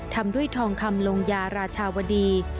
ทำด้วยทองคำลงยาราชาวดี